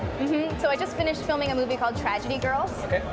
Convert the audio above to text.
jadi saya baru saja selesai membuat film namanya tragedy girls